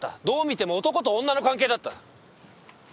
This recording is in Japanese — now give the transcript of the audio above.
どう見ても男と女の関係だった。